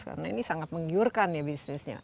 karena ini sangat menggiurkan ya bisnisnya